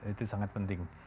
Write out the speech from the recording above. itu sangat penting